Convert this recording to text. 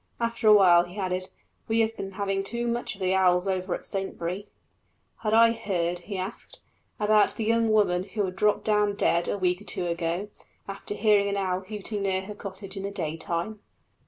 After a while he added, "We have been having too much of the owls over at Saintbury." Had I heard, he asked, about the young woman who had dropped down dead a week or two ago, after hearing an owl hooting near her cottage in the daytime?